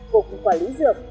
cục quản lý dược